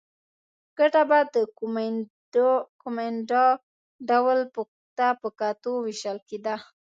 ګټه به د کومېندا ډول ته په کتو وېشل کېده.